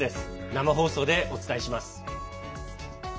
生放送でお伝えします。